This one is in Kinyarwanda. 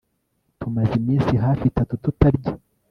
Tumaze iminsi hafi itatu tutarya